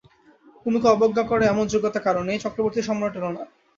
কুমুকে অবজ্ঞা করে এমন যোগ্যতা কারো নেই, চক্রবর্তী-সম্রাটেরও না।